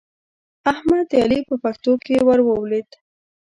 احمد د علي په پښتو کې ور ولوېد.